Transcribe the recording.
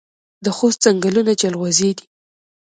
د خوست ځنګلونه جلغوزي دي